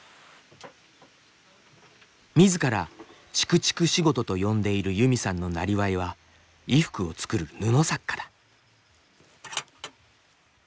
みずから「ちくちく仕事」と呼んでいるユミさんのなりわいは衣服を作る「布作家」だ。